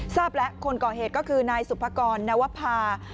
ทราบแล้วคนก่อเหตุก็คือนายสุภกรนวภา